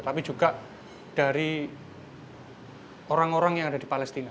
tapi juga dari orang orang yang ada di palestina